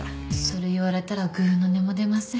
それ言われたらぐうの音も出ません。